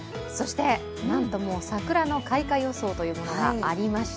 なんともう桜の開花予想というものがありまして。